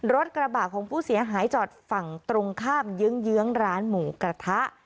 รถกระบะของผู้เสียหายจอดฝั่งตรงข้ามเยื้องร้านหมูกระทะ